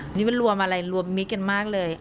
จริงรวมอะไรรวมมิตรกันมากเลย